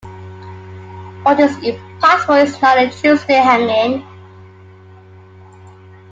What is impossible is not a Tuesday hanging.